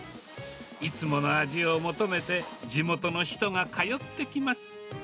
いつもの味を求めて、地元の人が通ってきます。